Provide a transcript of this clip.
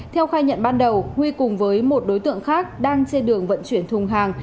theo khai nhận ban đầu huy cùng với một đối tượng khác đang trên đường vận chuyển thùng hàng